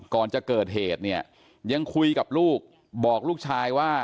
ก่อนจะเกิดเหตุเนี่ยยังคุยกับลูกบอกลูกชายว่า